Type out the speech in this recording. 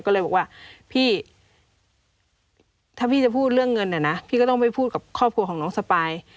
ก็เลยบอกว่าพี่ถ้าพี่จะพูดเรื่องเงินเนี่ยนะพี่ก็ต้องไปพูดกับครอบครัวของน้องสปาย